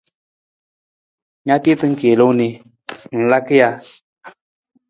Na tiita kiilung ni, ng laka ja?